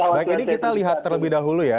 baik ini kita lihat terlebih dahulu ya